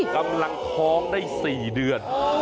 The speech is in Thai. กำลังท้องได้๔เดือน